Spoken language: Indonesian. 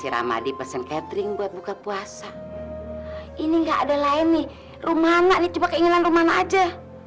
ramadi pesen catering buat buka puasa ini enggak ada lain nih rumana nih cuma keinginan rumana aja